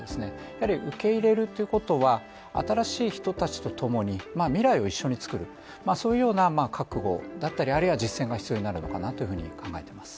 やはり受け入れるということは、新しい人たちとともに未来を一緒に作るそういうような覚悟だったりあるいは実践が必要になるのかなというふうに考えています。